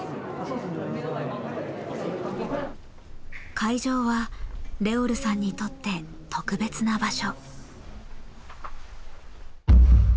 会場はＲｅｏｌさんにとって特別な場所。